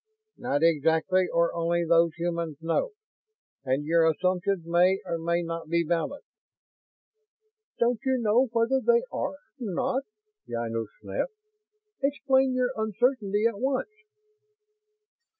"Not exactly or only those humans, no. And your assumptions may or may not be valid." "Don't you know whether they are or not?" Ynos snapped. "Explain your uncertainty at once!"